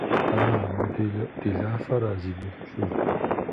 А-а, мо делэӏуделафэра зи гугъу пщӏыр?